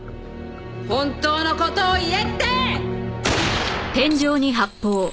本当の事を言えって！